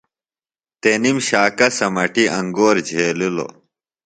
تنِم شاکہ سمٹیۡ انگور جھیلِلوۡ۔